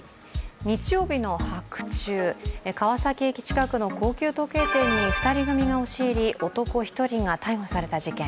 日曜日の白昼、川崎駅近くの高級時計店に２人組が押し入り、男１人が逮捕された事件。